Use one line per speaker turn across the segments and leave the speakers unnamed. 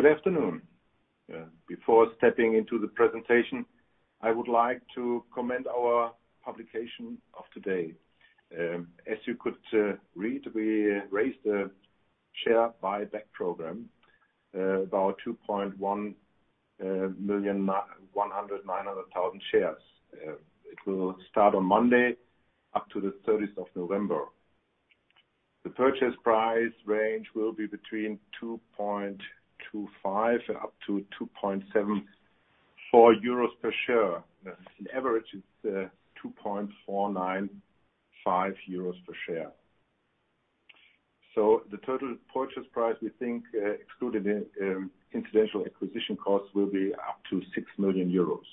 Good afternoon. Before stepping into the presentation, I would like to commend our publication of today. As you could read, we raised a share buyback program about 2.1 million, 100, 900,000 shares. It will start on Monday up to the 30th of November. The purchase price range will be between 2.25 up to 2.74 euros per share. The average is 2.495 euros per share. The total purchase price, we think, excluded incidental acquisition costs, will be up to 6 million euros.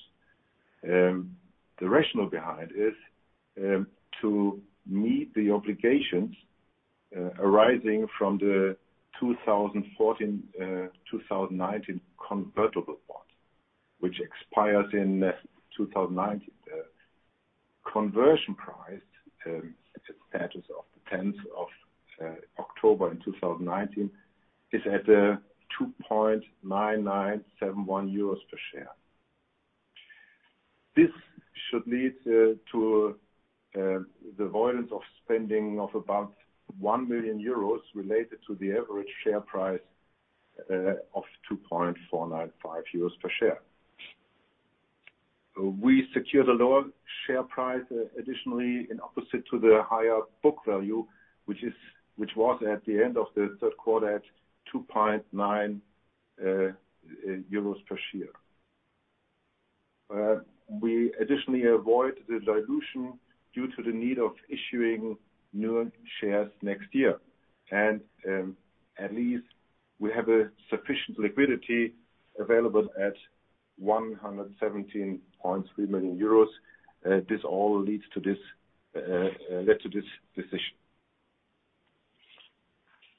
The rationale behind is to meet the obligations arising from the 2014-2019 convertible bond, which expires in 2019. The conversion price, it's at status of the 10th of October 2019, is at 2.9971 euros per share. This should lead to avoidance of spending of about 1 million euros related to the average share price of 2.495 euros per share. We secure the lower share price additionally in opposite to the higher book value, which was at the end of the third quarter at 2.99 euros per share. We additionally avoid the dilution due to the need of issuing newer shares next year. At least we have a sufficient liquidity available at 117.3 million euros. This all led to this decision.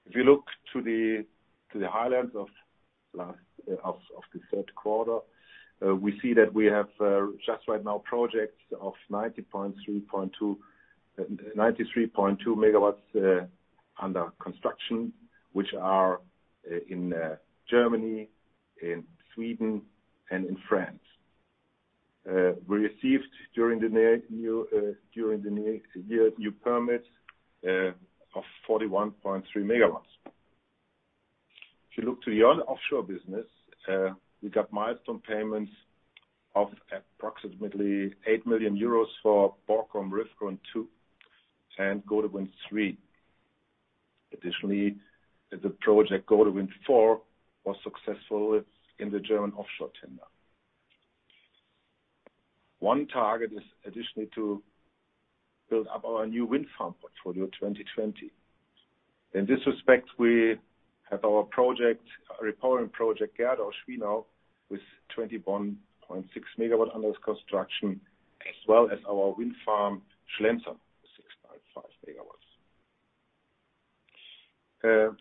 If you look to the highlights of the third quarter, we see that we have just right now projects of 93.2 MW under construction, which are in Germany, in Sweden, and in France. We received during the next year new permits of 41.3 MW. If you look to the offshore business, we got milestone payments of approximately 8 million euros for Borkum Riffgrund 2 and Gode Wind 3. Additionally, the project Gode Wind 4 was successful in the German offshore tender. One target is additionally to build up our new wind farm portfolio 2020. In this respect, we have our repowering project, Gerdau-Schwienau, with 21.6 MW under construction, as well as our wind farm, Schlenzer, 6.5 MW.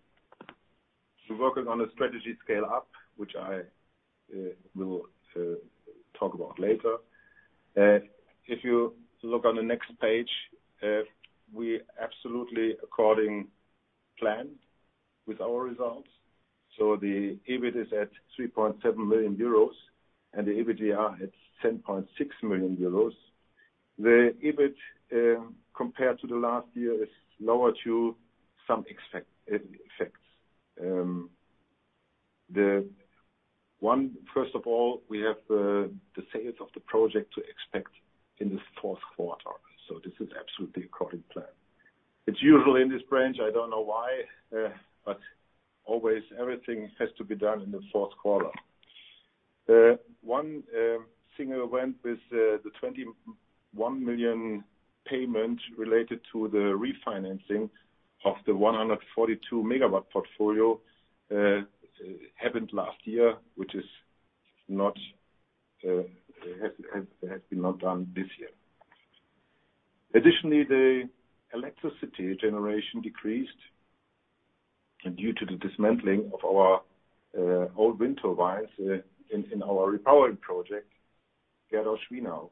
We're working on a strategy scale-up, which I will talk about later. If you look on the next page, we absolutely according plan with our results. The EBIT is at 3.7 million euros and the EBITDA at 10.6 million euros. The EBIT, compared to the last year, is lower due some effects. First of all, we have the sales of the project to expect in this fourth quarter, this is absolutely according plan. It's usual in this branch, I don't know why, but always everything has to be done in the fourth quarter. One single event with the 21 million payment related to the refinancing of the 142 MW portfolio happened last year, which has been not done this year. Additionally, the electricity generation decreased due to the dismantling of our old wind turbines in our repowering project, Gerdau-Schwienau,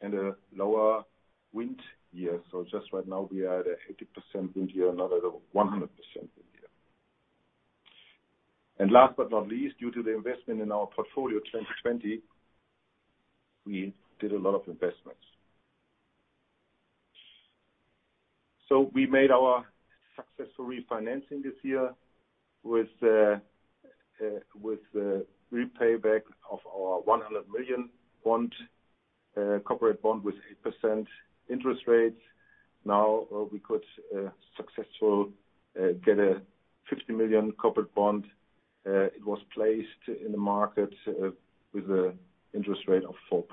and a lower wind year. Just right now we are at 80% wind year, not at a 100% wind year. Last but not least, due to the investment in our portfolio 2020, we did a lot of investments. We made our successful refinancing this year with the repay back of our 100 million corporate bond with 8% interest rates. Now we could successful get a 50 million corporate bond. It was placed in the market with an interest rate of 4%.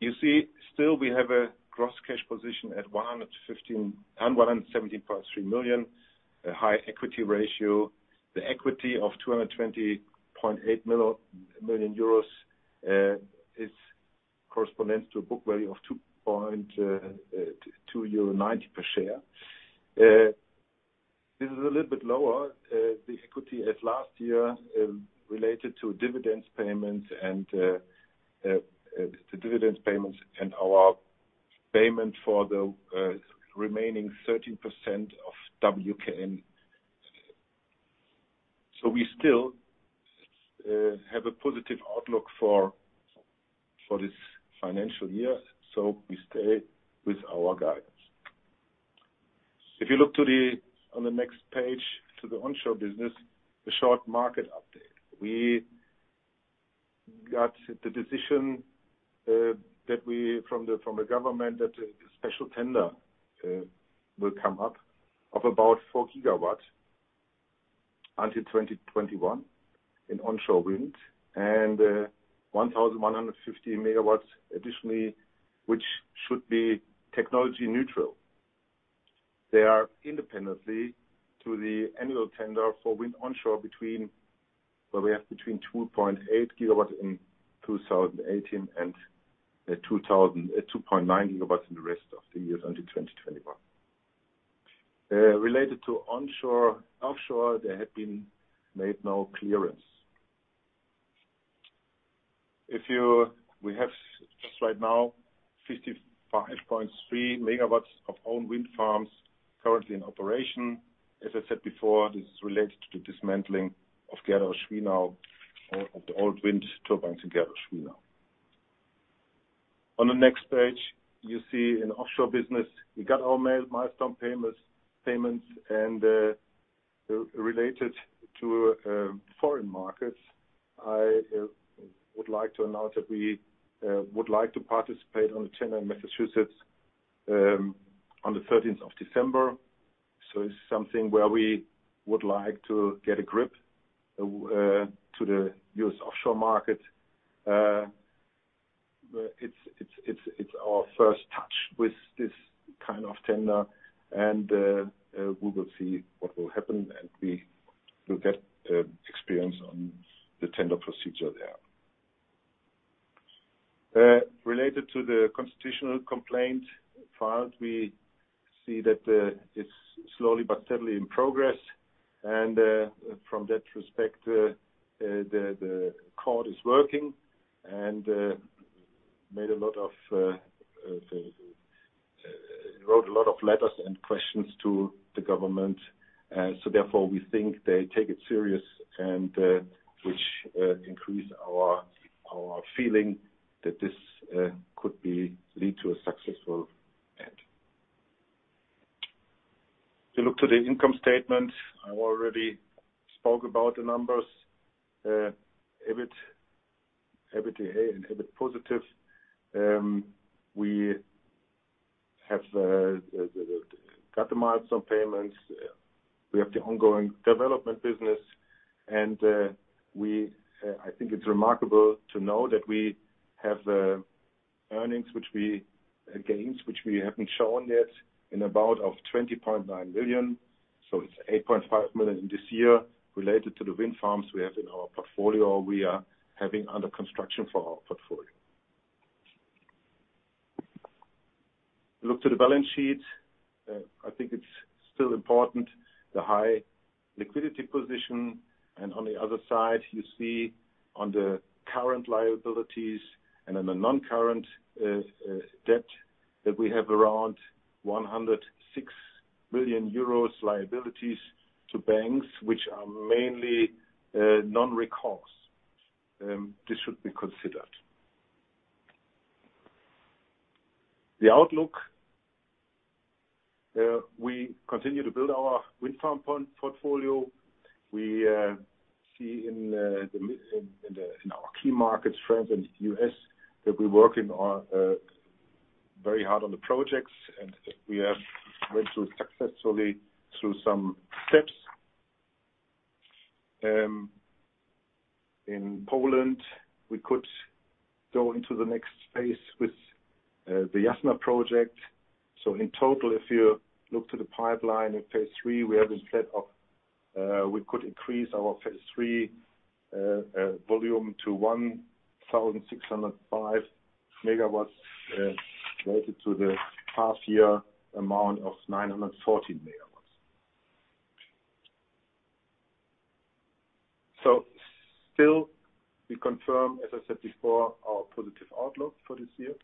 You see still we have a gross cash position at 117.3 million, a high equity ratio. The equity of 220.8 million euros corresponds to a book value of 2.90 per share. This is a little bit lower, the equity at last year, related to dividend payments and our payment for the remaining 13% of WKN. We still have a positive outlook for this financial year, we stay with our guidance. If you look on the next page to the onshore business, the short market update. We got the decision from the government that a special tender will come up of about 4 gigawatts until 2021 in onshore wind and 1,150 megawatts additionally, which should be technology neutral. They are independent of the annual tender for wind onshore, where we have between 2.8 gigawatts in 2018 and 2.9 gigawatts in the rest of the years until 2021. Related to offshore, there had been made no clearance. We have just right now, 55.3 megawatts of own wind farms currently in operation. As I said before, this is related to the dismantling of the old wind turbines in Gewerbehafen. On the next page, you see in offshore business, we got our milestone payments and, related to foreign markets, I would like to announce that we would like to participate on the tender in Massachusetts on the 13th of December. It's something where we would like to get a grip to the U.S. offshore market. It's our first touch with this kind of tender and we will see what will happen, and we will get experience on the tender procedure there. Related to the constitutional complaint filed, we see that it's slowly but steadily in progress. From that respect, the court is working and wrote a lot of letters and questions to the government. Therefore, we think they take it seriously, which increase our feeling that this could lead to a successful end. If you look to the income statement, I already spoke about the numbers. EBIT, EBITDA, and EBIT positive. We have got the milestone payments. We have the ongoing development business, and I think it's remarkable to know that we have earnings, gains which we haven't shown yet of about 20.9 million. It's 8.5 million this year related to the wind farms we have in our portfolio, we are having under construction for our portfolio. Look to the balance sheet. I think it's still important, the high liquidity position, and on the other side, you see on the current liabilities and on the non-current debt, that we have around 106 million euros liabilities to banks, which are mainly non-recourse. This should be considered. The outlook. We continue to build our wind farm portfolio. We see in our key markets, France and U.S., that we have gone successfully through some steps. In Poland, we could go into the next phase with the Jasna project. In total, if you look to the pipeline in phase 3, we could increase our phase 3 volume to 1,605 megawatts, related to the past year amount of 940 megawatts. Still, we confirm, as I said before, our positive outlook for this year.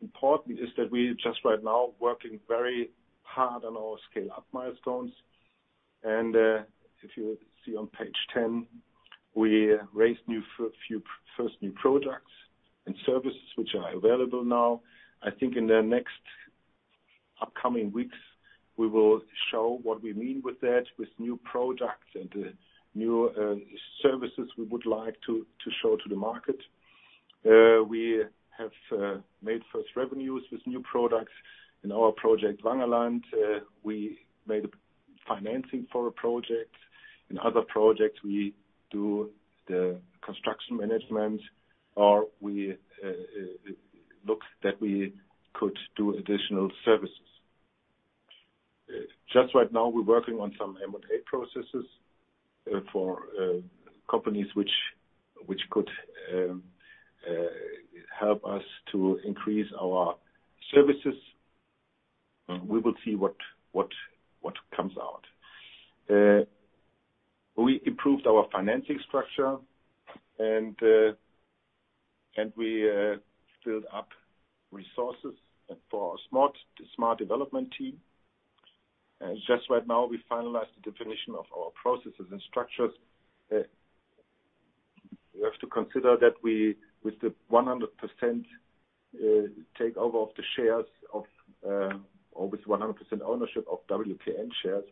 Important is that we just right now working very hard on our scale-up milestones. If you see on page 10, we raised first new products and services which are available now. I think in the next upcoming weeks, we will show what we mean with that, with new products and new services we would like to show to the market. We have made first revenues with new products in our project, Wangerland. We made financing for a project. In other projects, we do the construction management, or we look that we could do additional services. Just right now, we're working on some M&A processes for companies which could help us to increase our services. We will see what comes out. We improved our financing structure, and we filled up resources for our smart development team. Just right now, we finalized the definition of our processes and structures. We have to consider that with the 100% takeover of the shares, or with 100% ownership of WKN shares,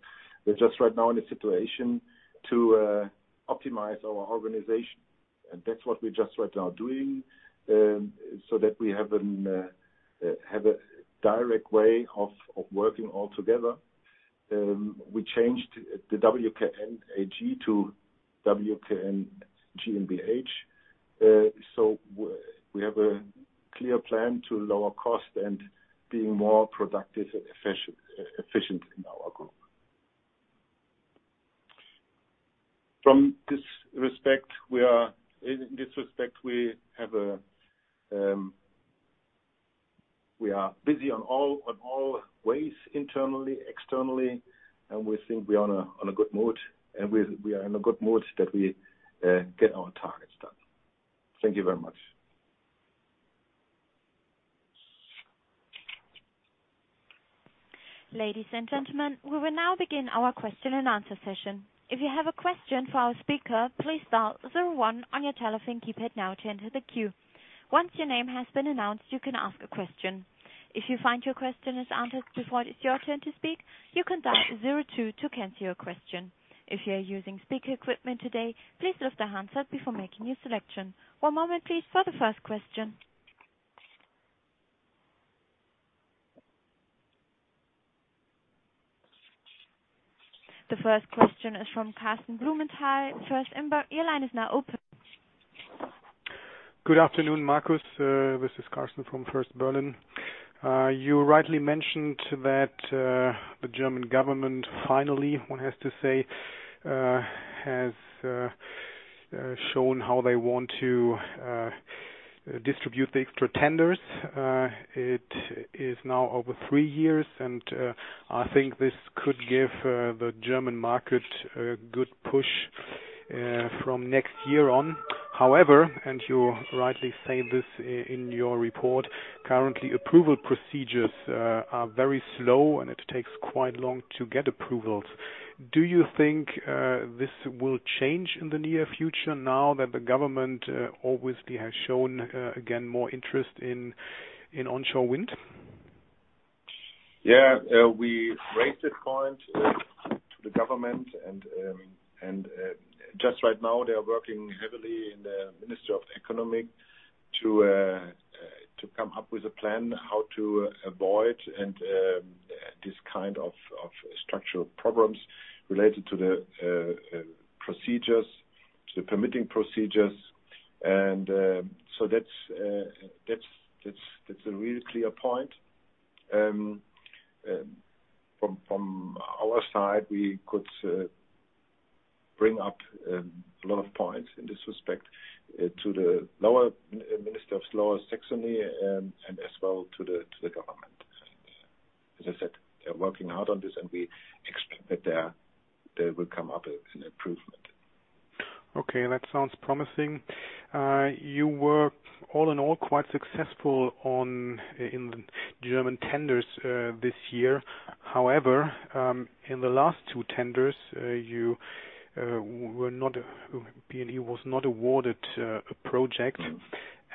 we're just right now in a situation to optimize our organization. That's what we're just right now doing, so that we have a direct way of working all together. We changed the WKN AG to WKN GmbH. We have a clear plan to lower cost and being more productive and efficient in our group. In this respect, we are busy on all ways, internally, externally, and we think we are in a good mood that we get our targets done. Thank you very much.
Ladies and gentlemen, we will now begin our question and answer session. If you have a question for our speaker, please dial zero one on your telephone keypad now to enter the queue. Once your name has been announced, you can ask a question. If you find your question is answered before it is your turn to speak, you can dial zero two to cancel your question. If you are using speaker equipment today, please lift the handset before making your selection. One moment please for the first question. The first question is from Karsten Blumenthal, First Berlin. Your line is now open.
Good afternoon, Markus. This is Karsten from First Berlin. You rightly mentioned that the German government finally, one has to say, has shown how they want to distribute the extra tenders. It is now over three years, and I think this could give the German market a good push from next year on. However, and you rightly say this in your report, currently approval procedures are very slow and it takes quite long to get approvals. Do you think this will change in the near future now that the government obviously has shown, again, more interest in onshore wind?
Yeah. We raised that point to the government. Just right now, they are working heavily in the Ministry of Economics to come up with a plan how to avoid this kind of structural problems related to the permitting procedures. That's a really clear point. From our side, we could bring up a lot of points in this respect to the Minister of Lower Saxony and as well to the government. As I said, they're working hard on this, and we expect that they will come up with an improvement.
Okay. That sounds promising. You were all in all quite successful in the German tenders this year. However, in the last two tenders, PNE was not awarded a project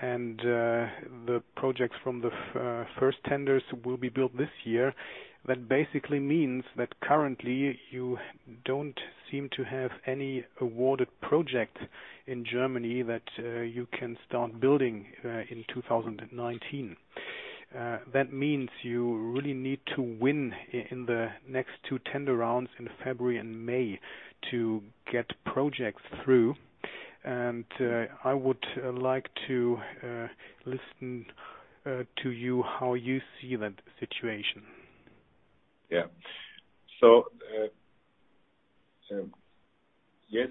and the projects from the first tenders will be built this year. That basically means that currently you don't seem to have any awarded project in Germany that you can start building in 2019. That means you really need to win in the next two tender rounds in February and May to get projects through. I would like to listen to you how you see that situation.
Yeah. Yes,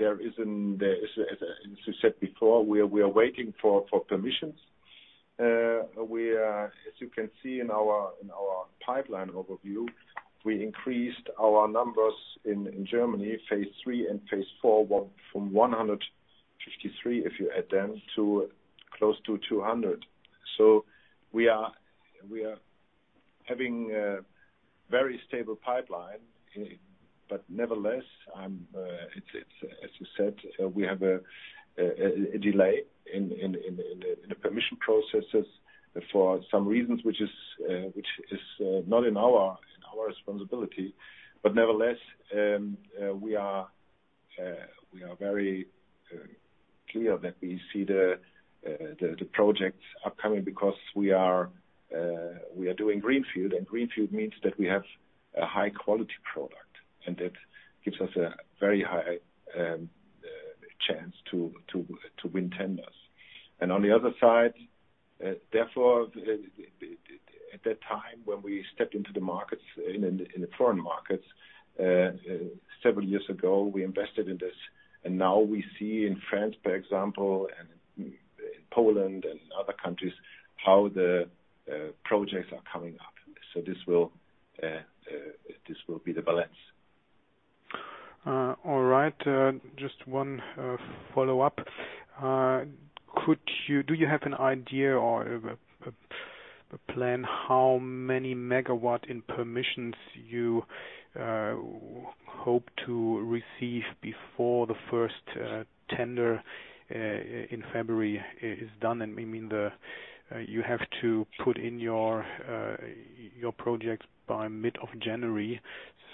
as I said before, we are waiting for permissions. As you can see in our pipeline overview, we increased our numbers in Germany, phase 3 and phase 4, from 153, if you add them, to close to 200. We are having a very stable pipeline. Nevertheless, as you said, we have a delay in the permission processes for some reasons, which is not in our responsibility. Nevertheless, we are very clear that we see the projects upcoming because we are doing greenfield. Greenfield means that we have a high-quality product. That gives us a very high chance to win tenders. On the other side, therefore, at that time when we stepped into the foreign markets several years ago, we invested in this. Now we see in France, for example, and Poland and other countries, how the projects are coming up. This will be the balance.
All right. Just one follow-up. Do you have an idea or a plan how many megawatt in permissions you hope to receive before the first tender in February is done? I mean, you have to put in your projects by mid of January.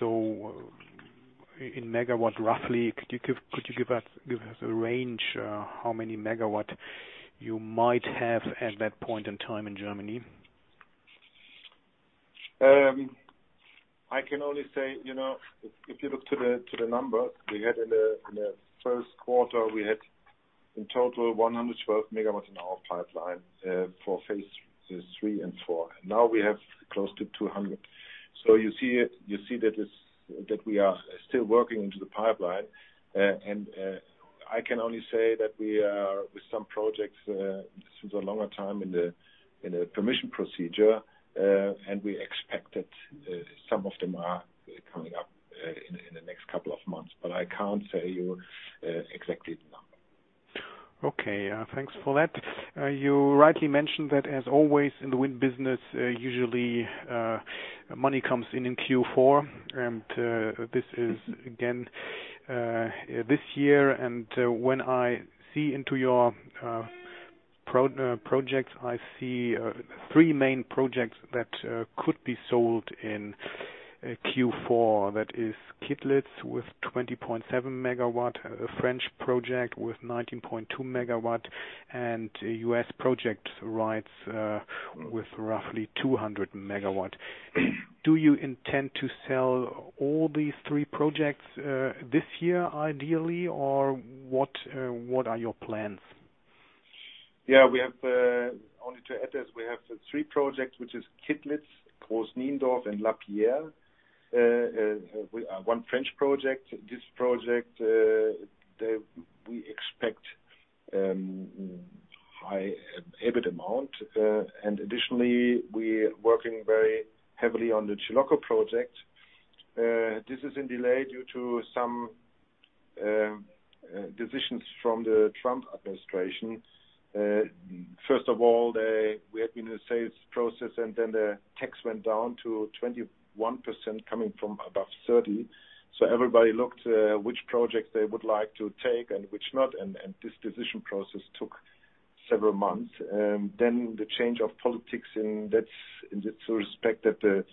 In megawatt, roughly, could you give us a range how many megawatt you might have at that point in time in Germany?
I can only say, if you look to the numbers, we had in the first quarter, we had in total 112 megawatts in our pipeline, for phase three and four. Now we have close to 200. You see that we are still working into the pipeline. I can only say that we are with some projects since a longer time in the permission procedure, and we expect that some of them are coming up in the next couple of months. I can't say your exact number.
Okay. Thanks for that. You rightly mentioned that as always in the wind business, usually, money comes in in Q4, and this is again this year. When I see into your projects, I see three main projects that could be sold in Q4. That is Kittlitz with 20.7 megawatt, a French project with 19.2 megawatt, and a U.S. project right with roughly 200 megawatt. Do you intend to sell all these three projects this year, ideally, or what are your plans?
Yeah, only to add this, we have three projects, which is Kittlitz, Groß Niendorf and Laperrière. One French project. This project, we expect high EBIT amount. Additionally, we're working very heavily on the Chilocco project. This is in delay due to some decisions from the Trump administration. First of all, we had been in a sales process, then the tax went down to 21% coming from above 30. Everybody looked which project they would like to take and which not, and this decision process took several months. The change of politics in that respect, that the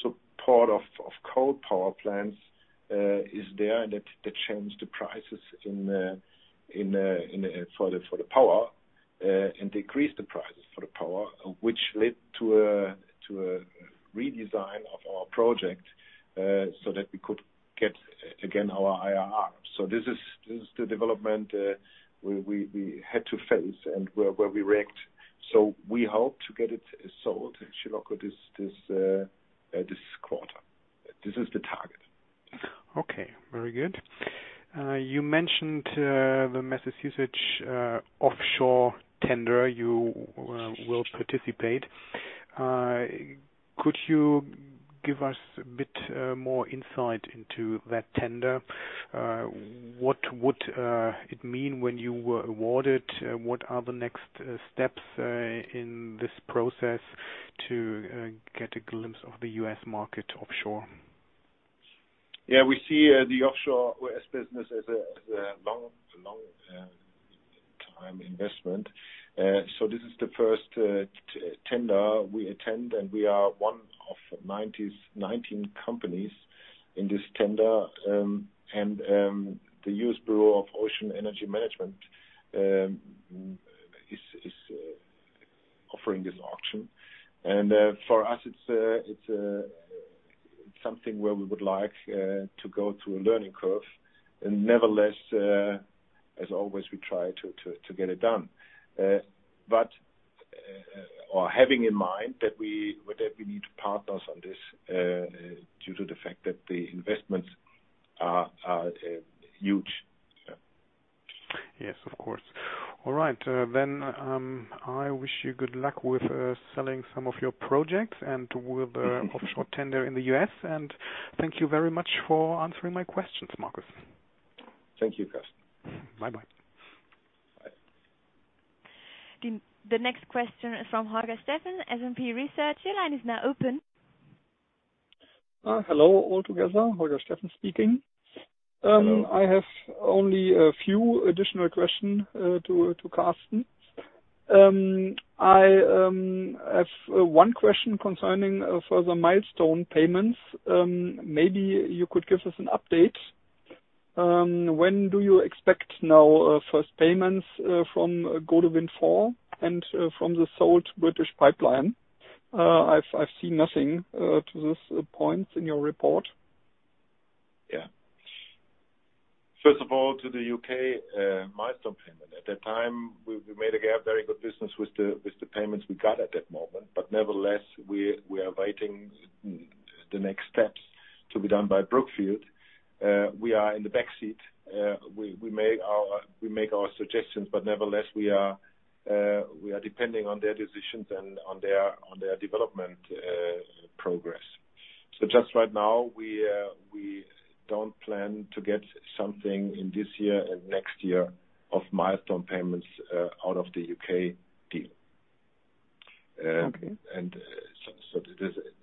support of coal power plants is there and that changed the prices for the power, and decreased the prices for the power, which led to a redesign of our project, so that we could get again our IRR. This is the development we had to face and where we react. We hope to get it sold, Chilocco, this quarter. This is the target.
Okay, very good. You mentioned the Massachusetts offshore tender you will participate. Could you give us a bit more insight into that tender? What would it mean when you were awarded? What are the next steps in this process to get a glimpse of the U.S. market offshore?
We see the offshore U.S. business as a long time investment. This is the first tender we attend, and we are one of 19 companies in this tender. The U.S. Bureau of Ocean Energy Management is offering this auction. For us, it's something where we would like to go through a learning curve. Nevertheless, as always, we try to get it done. Or having in mind that we need partners on this, due to the fact that the investments are huge.
Yes, of course. All right. I wish you good luck with selling some of your projects and with the offshore tender in the U.S. Thank you very much for answering my questions, Markus.
Thank you, Karsten.
Bye-bye.
Bye.
The next question is from Holger Steffen, SMC-Research. Your line is now open.
Hello, all together. Holger Steffen speaking.
Hello.
I have only a few additional question to Karsten. I have one question concerning further milestone payments. Maybe you could give us an update. When do you expect now first payments from Gode Wind 4 and from the sold British pipeline? I've seen nothing to this point in your report.
Yeah. First of all, to the U.K. milestone payment. At that time, we made a very good business with the payments we got at that moment, but nevertheless, we are waiting the next steps to be done by Brookfield. We are in the backseat. We make our suggestions, but nevertheless, we are depending on their decisions and on their development progress. Right now, we don't plan to get something in this year and next year of milestone payments out of the U.K. deal.
Okay.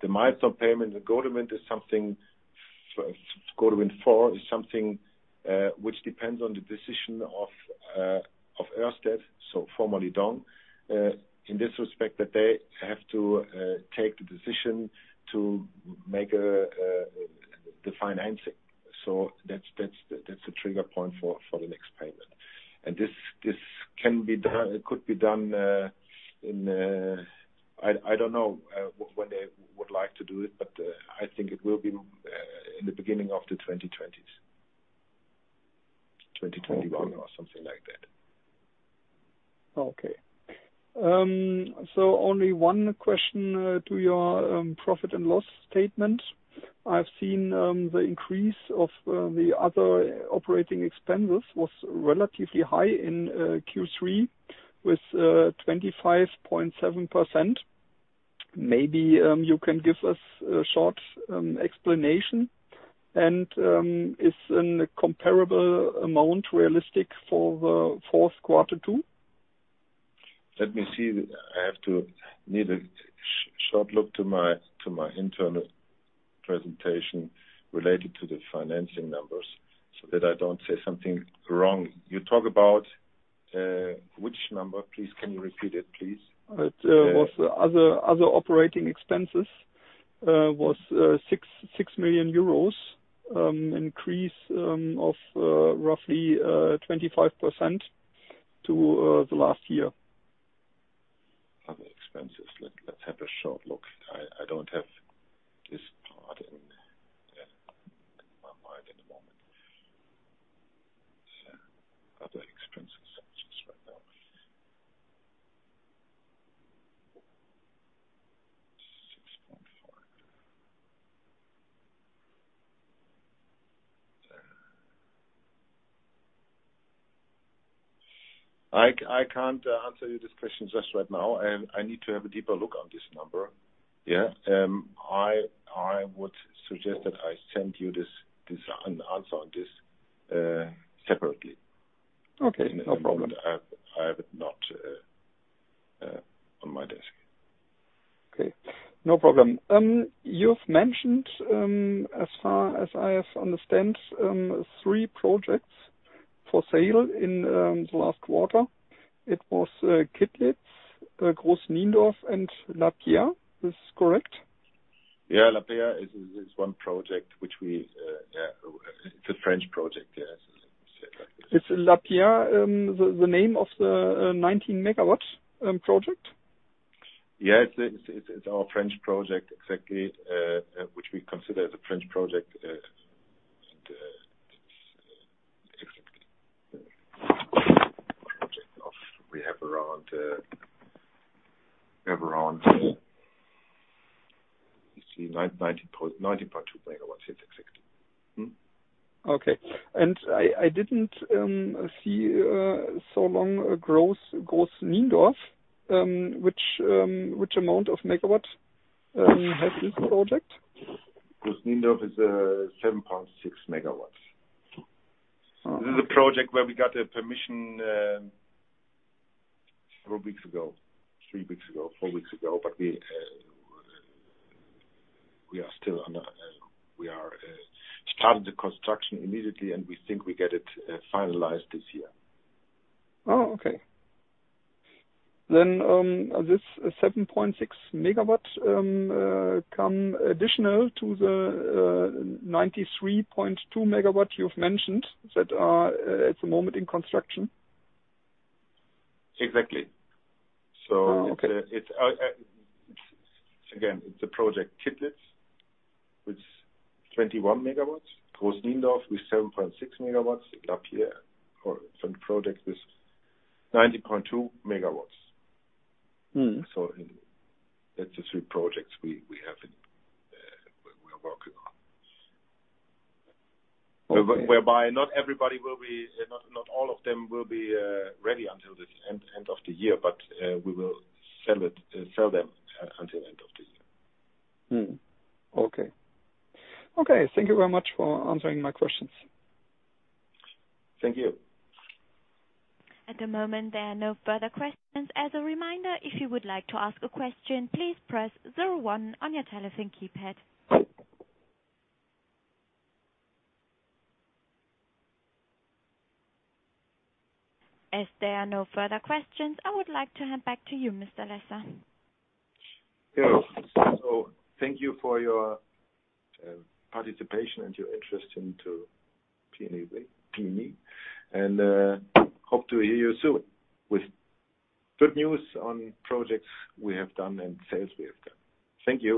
The milestone payment, the Gode Wind 4 is something which depends on the decision of Ørsted, so formerly DONG. In this respect that they have to take the decision to make the financing. That's the trigger point for the next payment. This could be done in, I don't know when they would like to do it, but I think it will be in the beginning of the 2020s. 2021 or something like that.
Okay. Only one question to your profit and loss statement. I've seen the increase of the other operating expenses was relatively high in Q3 with 25.7%. Maybe you can give us a short explanation, is a comparable amount realistic for the fourth quarter too?
Let me see. I have to need a short look to my internal presentation related to the financing numbers so that I don't say something wrong. You talk about which number, please? Can you repeat it, please?
It was other operating expenses, was 6 million euros, increase of roughly 25% to the last year.
Other expenses. Let's have a short look. I don't have this part in my mind at the moment. Other expenses right now. EUR 6.5. I can't answer you this question just right now. I need to have a deeper look on this number.
Yeah.
I would suggest that I send you an answer on this separately.
Okay, no problem.
I have it not on my desk.
Okay, no problem. You have mentioned, as far as I understand, three projects for sale in the last quarter. It was Kittlitz, Groß Niendorf, and Laperrière. This is correct?
Yeah, Laperrière is one project which we, yeah, it is a French project, yes.
Is Laperrière the name of the 19 MW project?
It's our French project exactly, which we consider the French project, and it's a project of, we have around 19.2 megawatts. Exactly.
I didn't see so long, Groß Niendorf, which amount of megawatts has this project?
Groß Niendorf is 7.6 megawatts. This is a project where we got the permission four weeks ago, three weeks ago, four weeks ago, but We started the construction immediately, and we think we get it finalized this year.
This 7.6 megawatts come additional to the 93.2 megawatts you've mentioned that are at the moment in construction?
Exactly.
Oh, okay.
It's, again, it's the project Kittlitz, with 21 MW, Groß Niendorf with 7.6 MW, Laperrière, or some project with 19.2 MW. That's the three projects we have and we are working on.
Okay.
Whereby not everybody will be, not all of them will be ready until this end of the year, but we will sell them until end of this year.
Okay. Okay, thank you very much for answering my questions.
Thank you.
At the moment, there are no further questions. As a reminder, if you would like to ask a question, please press 01 on your telephone keypad. As there are no further questions, I would like to hand back to you, Mr. Lesser.
Thank you for your participation and your interest into PNE. Hope to hear you soon with good news on projects we have done and sales we have done. Thank you.